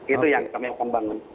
itu yang kami mau pembangun